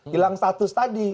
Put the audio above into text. hilang status tadi